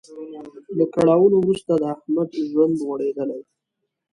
له کړاوونو وروسته د احمد ژوند غوړیدلی.